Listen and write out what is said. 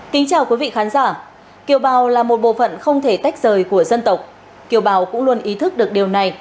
kính chào quý vị khán giả kiểu bào là một bộ phận không thể tách rời của dân tộc kiều bào cũng luôn ý thức được điều này